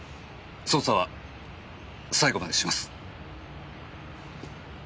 捜査は最後までします。